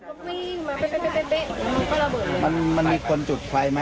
โอ้โฮระเบิดต้องเต้นลบ